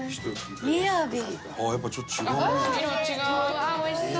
ああやっぱちょっと違うね。